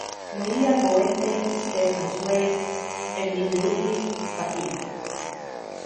Leía a Goethe, Stefan Zweig, Emil Ludwig, Papini.